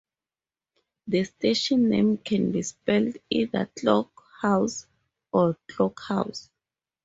The station name can be spelt either Clock House or Clockhouse.